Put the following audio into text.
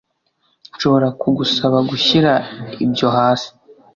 Nshobora kugusaba gushyira ibyo hasi